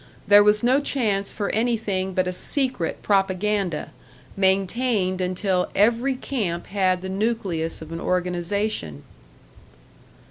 There was no chance for anything but a secret propaganda, maintained until every camp had the nucleus of an organisation.